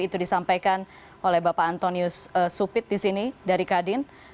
itu disampaikan oleh bapak antonius supit di sini dari kadin